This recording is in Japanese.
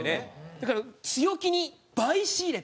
だから強気に倍仕入れて。